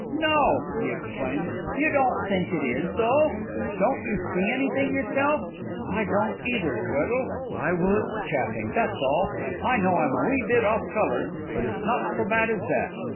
"No!" he exclaimed. "You don't think it is, though? Don't you see anything yourself? I don't either, Tweddle; I was chaffing, that's all. I know I'm a wee bit off colour; but it's not so bad as that.